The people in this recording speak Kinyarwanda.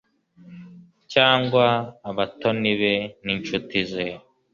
cyangwa abatoni be n'inshuti ze